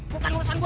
bukan urusan gue